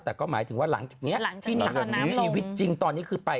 แต่ก็หมายถึงว่าหลังจากนี้ที่มีชีวิตจริงตอนนี้คือไป